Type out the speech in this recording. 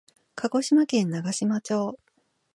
鹿児島県長島町